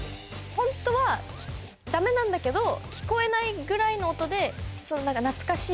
ホントはダメなんだけど聞こえないぐらいの音で何か懐かしい。